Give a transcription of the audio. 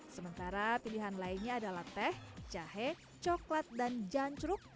sementara pilihan lainnya adalah teh jahe coklat dan jancruk